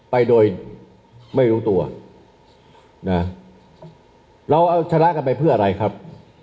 ไปโดยไม่รู้ตัวนะเราเอาชนะกันไปเพื่ออะไรครับ